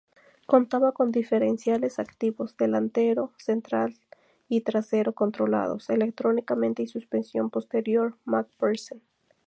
Contaba con diferenciales activos delantero, central y trasero controlados electrónicamente y suspensión posterior McPherson.